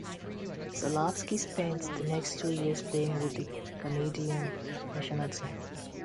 Zalapski spent the next two years playing with the Canadian National Team.